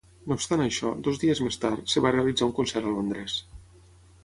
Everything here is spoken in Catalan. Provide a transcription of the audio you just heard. No obstant això, dos dies més tard, es va realitzar un concert a Londres.